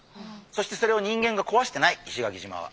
そしてそれを人間が壊してない石垣島は。